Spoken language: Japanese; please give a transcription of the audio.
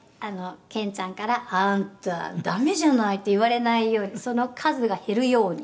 「憲ちゃんから“あんたダメじゃない”って言われないようにその数が減るように」